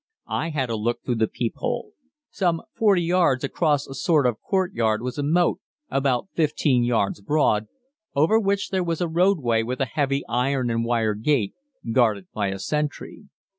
I had a look through the peep hole. Some 40 yards across a sort of courtyard was a moat, about 15 yards broad, over which there was a roadway with a heavy iron and wire gate, guarded by a sentry.